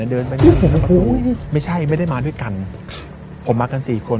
เดินไปเนี่ยไม่ใช่ไม่ได้มาด้วยกันผมมากันสี่คน